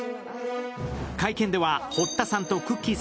会見では、堀田さんとくっきー！